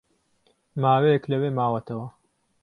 ماوەیەک لەوێ ماوەتەوە